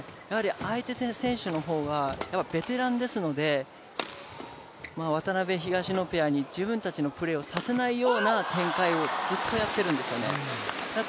相手選手の方がベテランですので、渡辺・東野ペアに自分たちのプレーをさせないような展開をずっとやってるんですよね。